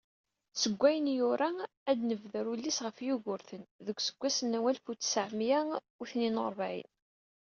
Seg wayen i yura, ad d-nebder ullis ɣef Yugirten, deg useggas n walef u tesεemya u tnin u rebεin.